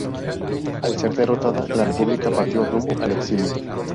Al ser derrotada la República partió rumbo al exilio.